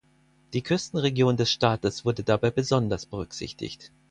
Die Küstenregion des Staates wurde dabei besonders berücksichtigt.